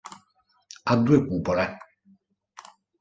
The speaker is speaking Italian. Ha due cupole.